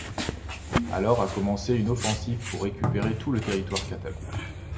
Alors a commencé une offensive pour récupérer tout le territoire catalan.